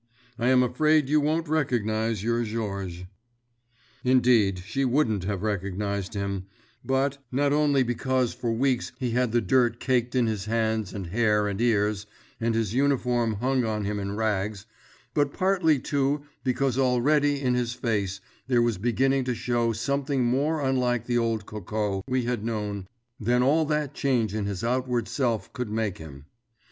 I am afraid you wouldn't recognize your Georges._ Indeed, she wouldn't have recognized him, but, not only because for weeks he had the dirt caked in his hands and hair and ears, and his uniform hung on him in rags, but partly too because already in his face there was beginning to show something more unlike the old Coco we had known than all that change in his outward self could make him.